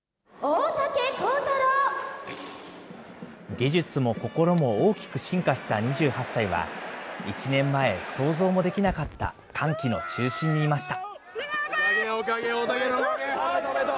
技術も心も大きく進化した２８歳は、１年前、想像もできなかった歓喜の中心にいました。